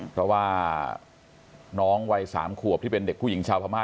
เพราะว่าน้องวัย๓ขวบที่เป็นเด็กผู้หญิงชาวพม่า